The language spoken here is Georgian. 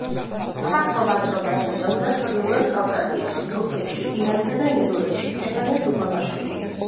ფართო ვაჭრობას ეწეოდა ჩრდილოეთ კავკასიაში, თურქეთში, ირანსა და ინდოეთში სტეფანე ზუბალაშვილი.